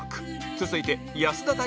続いて